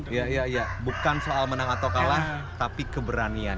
iya iya bukan soal menang atau kalah tapi keberanian